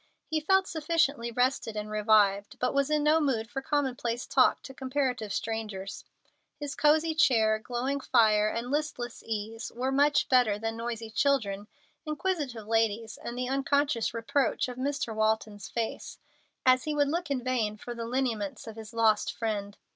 He felt sufficiently rested and revived, but was in no mood for commonplace talk to comparative strangers. His cosey chair, glowing fire, and listless ease were much better than noisy children, inquisitive ladies, and the unconscious reproach of Mr. Walton's face, as he would look in vain for the lineaments of his lost friend.